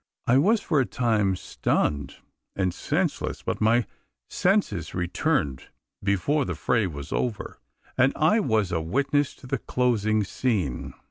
I was for a time stunned, and senseless; but my senses returned before the fray was over; and I was a witness to the closing scene.